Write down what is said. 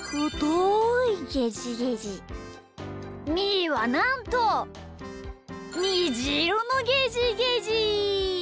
みーはなんとにじいろのゲジゲジ！